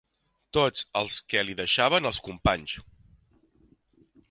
Tots els que li deixaven els companys